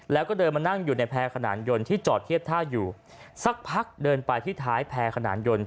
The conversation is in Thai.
แล้วก็เดินมานั่งอยู่ในแพร่ขนานยนต์ที่จอดเทียบท่าอยู่สักพักเดินไปที่ท้ายแพร่ขนานยนต์